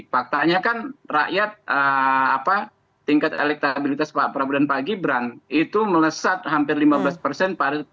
faktanya kan rakyat tingkat elektabilitas pak prabowo dan pak gibran itu melesat hampir lima belas persen